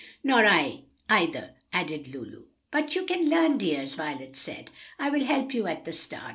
"Nor I either," added Lulu. "But you can learn, dears," Violet said. "I will help you at the start.